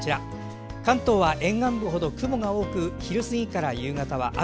関東は沿岸部ほど雲が多く昼過ぎから夕方は雨。